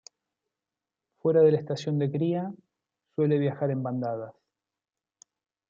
Fuera de la estación de cría, suele viajar en bandadas.